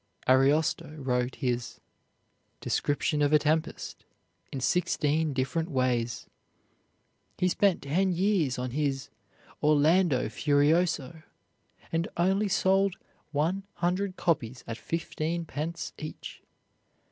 Ariosto wrote his "Description of a Tempest" in sixteen different ways. He spent ten years on his "Orlando Furioso," and only sold one hundred copies at fifteen pence each.